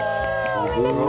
おめでとう！